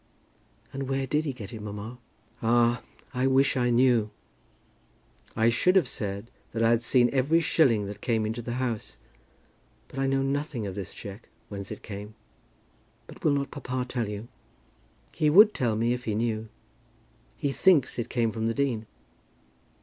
"And where did he get it, mamma?" "Ah, I wish I knew. I should have said that I had seen every shilling that came into the house; but I know nothing of this cheque, whence it came." "But will not papa tell you?" "He would tell me if he knew. He thinks it came from the dean."